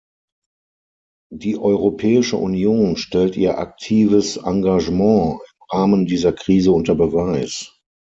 Die Europäische Union stellt ihr aktives Engagement im Rahmen dieser Krise unter Beweis.